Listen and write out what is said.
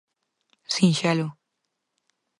¡Sinxelo!